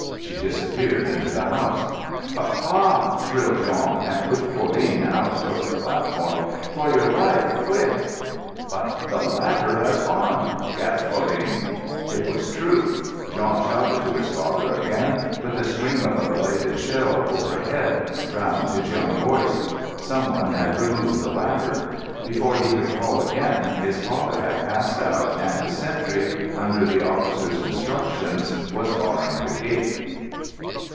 She disappeared into the house. "Papa!" shrilled Jean, and pushed Pauline out towards the platform. "For your life, quick!" "But the ladder has gone!" gasped Pauline. It was true. Jean shouted to his father again, but the scream of a belated shell overhead drowned his young voice. Someone had removed the ladder. Before he could call again his father had passed out and the sentry, under the officer's instructions, was barring the gate.